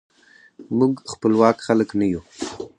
موږ خپواک خلک نه یو.